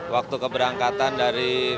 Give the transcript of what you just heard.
waktu keberangkatan dari